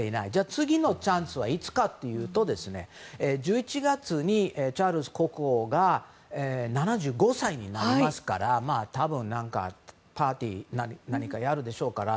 次のチャンスはいつかというと１１月にチャールズ国王が７５歳になりますから多分、パーティーなどをやるでしょうから。